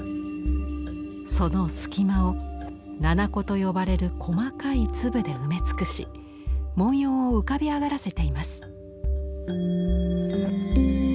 その隙間を魚々子と呼ばれる細かい粒で埋め尽くし文様を浮かび上がらせています。